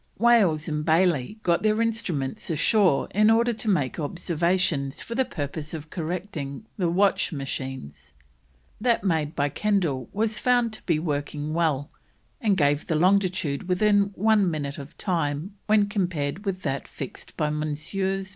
Wales and Bayley got their instruments ashore in order to make observations for the purpose of correcting the watch machines. That made by Kendal was found to be working well, and gave the longitude within one minute of time when compared with that fixed by Messrs.